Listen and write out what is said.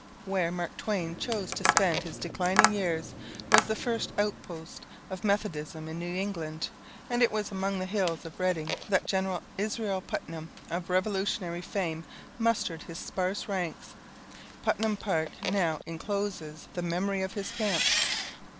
Where Mark Twain chose to spend his declining years was the first outpost of Methodism in New England, and it was among the hills of Redding that Gen. Israel Putnam of Revolutionary fame mustered his sparse ranks. Putnam Park now incloses the memory of his camp.